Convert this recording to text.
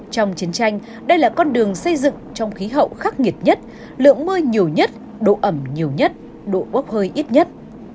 trong chiến tranh đây là con đường xây dựng trong khí hậu khắc nghiệt nhất lượng mưa nhiều nhất độ ẩm nhiều nhất độ bóp hơi ít nhất